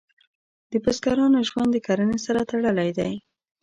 د بزګرانو ژوند د کرنې سره تړلی دی.